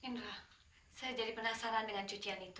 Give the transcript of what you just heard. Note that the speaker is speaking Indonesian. indra saya jadi penasaran dengan cucian itu